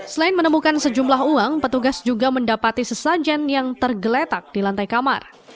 selain menemukan sejumlah uang petugas juga mendapati sesajen yang tergeletak di lantai kamar